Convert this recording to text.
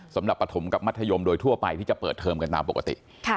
สำหรับประถมกับมัธยมโดยทั่วไปที่จะเปิดเทิมกันตามปกติ